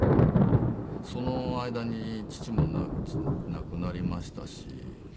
その間に父も亡くなりましたし。